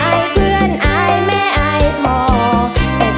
แม่หรือพี่จ๋าบอกว่าจะมาขอมัน